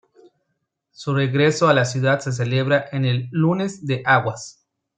Su regreso a la ciudad se celebra en el Lunes de aguas.